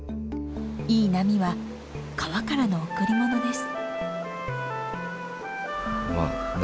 いい波は川からの贈り物です。